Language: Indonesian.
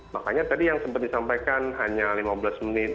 makanya tadi yang sempat disampaikan hanya lima belas menit